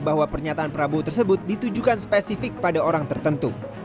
bahwa pernyataan prabowo tersebut ditujukan spesifik pada orang tertentu